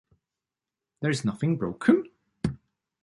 There is nothing broken?